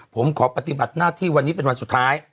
ผมขอปฏิบัติหน้าที่วันนี้เป็นวันสุดท้าย